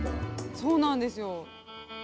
そうなんですよ。